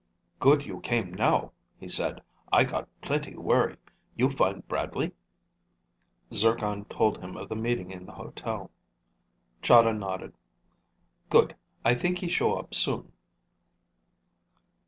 "Good you came now," he said. "I got plenty worry. You find Bradley?" Zircon told him of the meeting in the hotel. Chahda nodded. "Good. I think he show up soon."